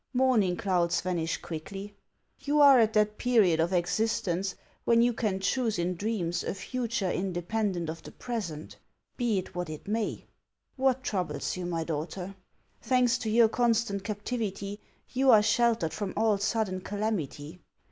Morning clouds vanish quickly. You are at that period of existence when you can choose in dreams a future independent of the present, be it what it may. What troubles you, my daughter ? Thanks to your con stant captivity, you are sheltered from all sudden calamity.